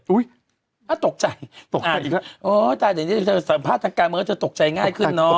อุ้ยตกใจตกใจอีกแล้วอ๋อแต่ในสัมภาษณ์ทางการมันก็จะตกใจง่ายขึ้นเนอะ